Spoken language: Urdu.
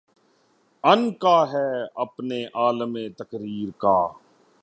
عنقا ہے اپنے عالَمِ تقریر کا